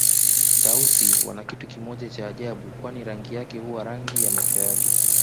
Tausi wana kitu kimoja cha ajabu kwani rangi yake huwa rangi ya macho yake